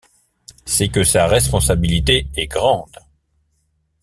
C’est que sa responsabilité est grande!